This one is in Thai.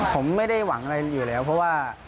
ผมไม่ได้หวังอะไรอยู่แล้วเพราะว่า